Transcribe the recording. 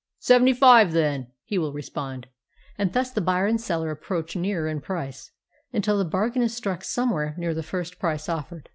''Seventy five, then," he will respond; and thus the buyer and seller approach nearer in price, until the bargain is struck somewhere near the first price offered.